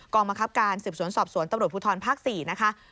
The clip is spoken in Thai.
บังคับการสืบสวนสอบสวนตำรวจภูทรภาค๔นะคะ